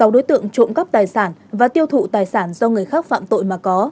sáu đối tượng trộm cắp tài sản và tiêu thụ tài sản do người khác phạm tội mà có